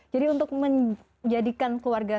jadi untuk menjadikan keluarga